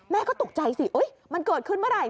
แม่ก็ตกใจสิมันเกิดขึ้นเมื่อไหร่